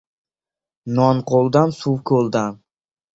• Non qo‘ldan, suv ko‘ldan.